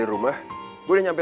aku mau mencoba